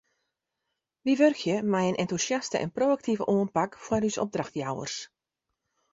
Wy wurkje mei in entûsjaste en pro-aktive oanpak foar ús opdrachtjouwers.